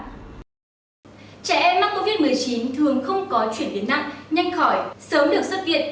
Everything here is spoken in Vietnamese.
trẻ em mắc covid một mươi chín thường không có chuyển biến nặng nhanh khỏi sớm được xuất viện